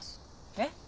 えっ？